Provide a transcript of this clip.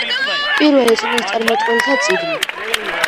პირველი წინასწარმეტყველთა წიგნი.